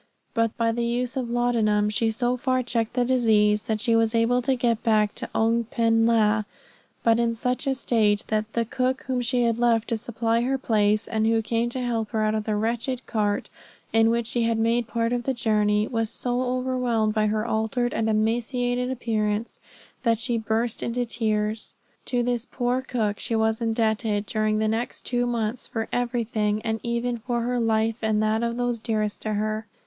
By the use of laudanum she so far checked the disease, that she was able to get back to Oung pen la, but in such a state that the cook whom she had left to supply her place, and who came to help her out of the wretched cart in which she had made part of the journey, was so overwhelmed by her altered and emaciated appearance that he burst into tears. To this poor cook she was indebted, during the next two months for everything, and even for her life and that of those dearest to her.